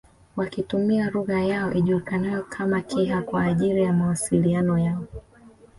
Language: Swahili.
Wakitumia lugha yao ijulikanayo kama Kiha kwa ajili ya mwasiliano yao